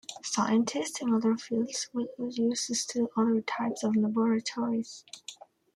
Scientists in other fields will use still other types of laboratories.